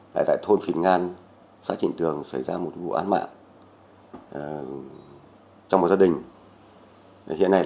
lại tại thôn phình ngan xã trịnh tường xảy ra một vụ án mạng trong một gia đình